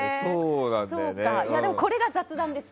これが雑談です！